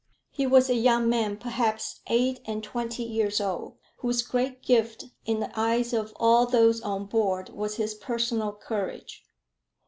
He was a young man, perhaps eight and twenty years old, whose great gift in the eyes of all those on board was his personal courage.